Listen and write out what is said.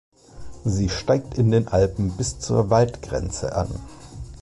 Sie steigt in den Alpen bis zur Waldgrenze an.